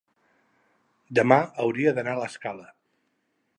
demà hauria d'anar a l'Escala.